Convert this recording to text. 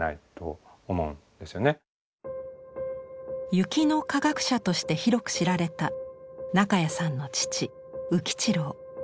「雪の科学者」として広く知られた中谷さんの父宇吉郎。